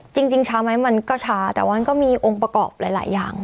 จริงช้าไหมมันก็ช้าแต่ว่ามันก็มีองค์ประกอบหลายอย่าง